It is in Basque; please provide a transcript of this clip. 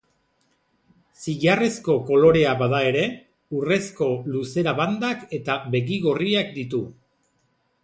Zilarrezko kolorea bada ere, urrezko luzera-bandak eta begi gorriak ditu.